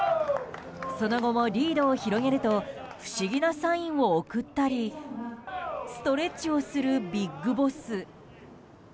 その後も、リードを広げると不思議なサインを送ったりストレッチをするビッグボス。